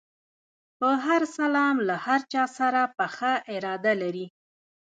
په هر سلام له هر چا سره پخه اراده لري.